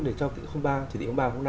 để cho chỉ thị ba chỉ thị ba năm